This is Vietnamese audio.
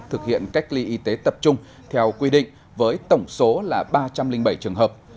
thực hiện cách ly y tế tập trung theo quy định với tổng số là ba trăm linh bảy trường hợp